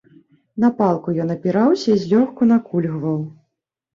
На палку ён апіраўся і злёгку накульгваў.